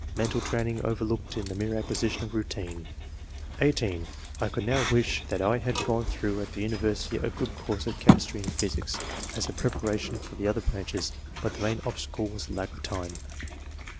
Mental training overlooked in the mere acquisition of routine." (18) "1 could now wish that I had gone through at the university a good course of che mistry and physics, as a preparation for the other branches ; but the main obstacle was lack of time."